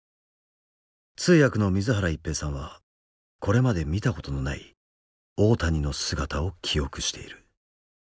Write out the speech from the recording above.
通訳の水原一平さんはこれまで見たことのない大谷の姿を記憶している。